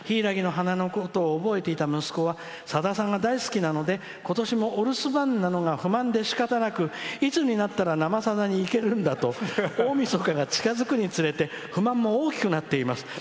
「柊の花」のことを覚えていた息子はさださんが大好きなのでことしもお留守番なのが不満でしかたなく、いつになったら「生さだ」に行けるんだと大みそかが近づくにつれて不満も大きくなっています